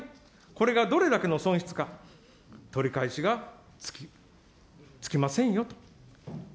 これがどれだけの損失か、取り返しがつきませんよと。